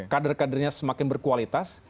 kader kadernya semakin berkualitas